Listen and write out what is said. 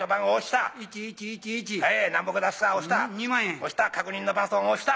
押した確認のボタン押した。